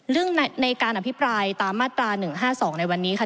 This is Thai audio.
ซึ่งในการอภิปรายตามมาตรา๑๕๒ในวันนี้ค่ะ